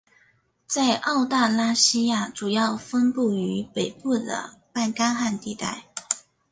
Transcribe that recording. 在澳大拉西亚主要分布于北部的半干旱地带。